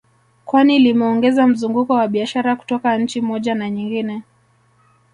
Kwani limeongeza mzunguko wa biashara kutoka nchi moja na nyingine